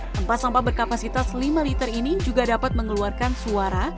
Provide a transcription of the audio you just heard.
tempat sampah berkapasitas lima liter ini juga dapat mengeluarkan suara